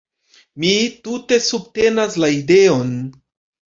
Mi tute subtenas la ideon.